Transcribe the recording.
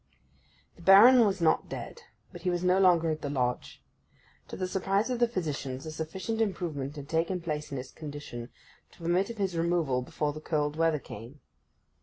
The Baron was not dead, but he was no longer at the Lodge. To the surprise of the physicians, a sufficient improvement had taken place in his condition to permit of his removal before the cold weather came.